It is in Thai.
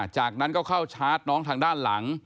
จากนั้นก็เข้าชาร์จน้องทางด้านหลัง